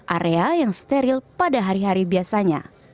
area yang steril pada hari hari biasanya